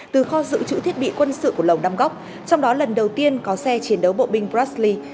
từ kho dự trữ thiết bị quân sự của lồng đăm góc trong đó lần đầu tiên có xe chiến đấu bộ binh brasley